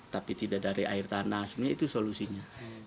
tapi tidak dari air tanah sebenarnya itu solusinya